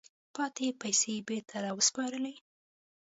پاتې پیسې یې بیرته را وسپارلې.